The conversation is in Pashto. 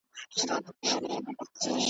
مغزونه کوچ سي قلم یې وچ سي .